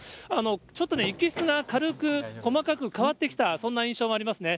ちょっとね、雪質が軽く、細かく変わってきた、そんな印象もありますね。